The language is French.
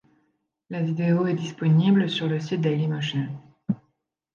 La vidéo est disponible sur le site Dailymotion.